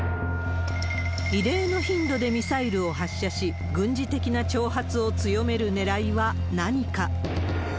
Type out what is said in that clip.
異例の頻度でミサイルを発射し、軍事的な挑発を強めるねらいは何か。